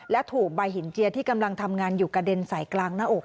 และถูกใบหินเจียที่กำลังทำงานอยู่กระเด็นใส่กลางหน้าอก